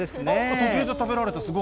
途中で食べられた、すごい。